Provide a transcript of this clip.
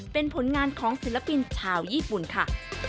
เป็นผลงานของศิลปินชาวญี่ปุ่นค่ะ